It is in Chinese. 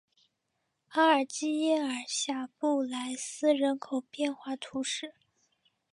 阿尔济耶尔下布来斯人口变化图示